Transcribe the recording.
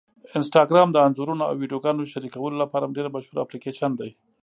انسټاګرام د انځورونو او ویډیوګانو شریکولو لپاره ډېره مشهوره اپلیکېشن ده.